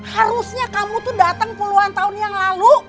harusnya kamu tuh datang puluhan tahun yang lalu